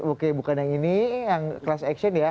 oke bukan yang ini yang kelas aksion ya